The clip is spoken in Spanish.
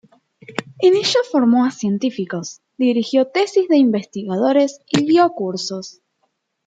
En ella formó a científicos, dirigió tesis de investigadores y dio cursos.